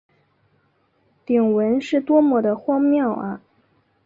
鼎文是多么地荒谬啊！